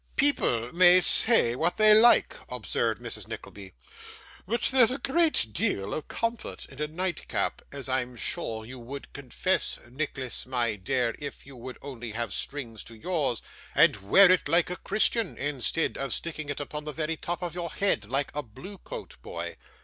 'People may say what they like,' observed Mrs. Nickleby, 'but there's a great deal of comfort in a nightcap, as I'm sure you would confess, Nicholas my dear, if you would only have strings to yours, and wear it like a Christian, instead of sticking it upon the very top of your head like a blue coat boy.